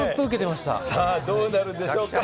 さあどうなるでしょうか？